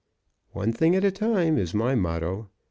'One thing at a time' is my motto.